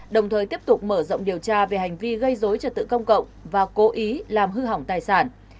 đồng thời tiếp tục mở rộng điều tra về hành vi gây dối trật tự công cộng và cố ý làm hư hỏng tài sản